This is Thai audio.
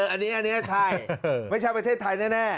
อันนี้ใช่ไม่ใช่ประเทศไทยแน่